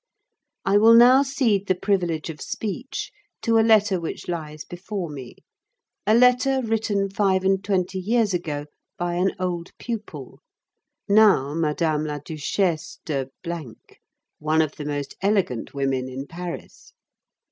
I will now cede the privilege of speech to a letter which lies before me, a letter written five and twenty years ago by an old pupil, now Madame la Duchesse de ——, one of the most elegant women in Paris.